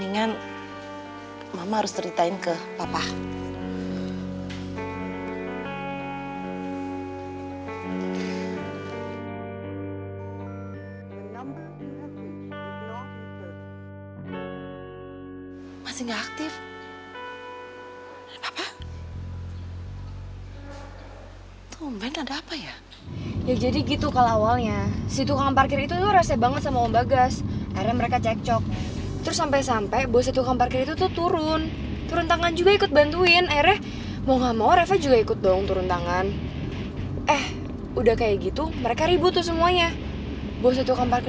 ian janji emak gak bakal sering sering keluyuran gak bakal sering sering keluar rumah emak